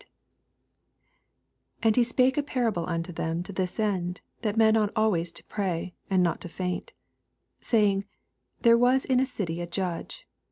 i 1 And he si/fKe a parable unto them to this end, that men ought always to pray, and not to faint ; 2 Saying, There was in a citv a iudge.